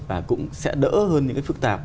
và cũng sẽ đỡ hơn những cái phức tạp